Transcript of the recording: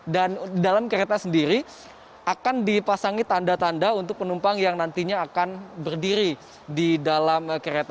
dan di dalam kereta sendiri akan dipasangi tanda tanda untuk penumpang yang nantinya akan berdiri di dalam kereta